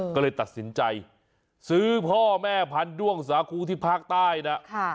ก็เลยตัดสินใจซื้อพ่อแม่พันธ้วงสาคูที่ภาคใต้นะ